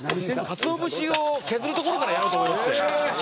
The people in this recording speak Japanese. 「かつお節を削るところからやろうと思いまして」